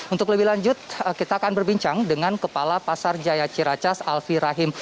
untuk lebih lanjut kita akan berbincang dengan kepala pasar jaya ciracas alfie rahim